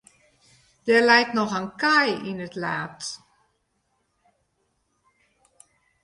Der leit noch in kaai yn it laad.